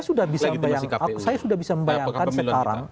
saya sudah bisa membayangkan sekarang